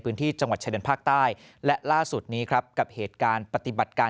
พื้นที่จังหวัดชายแดนภาคใต้และล่าสุดนี้ครับกับเหตุการณ์ปฏิบัติการ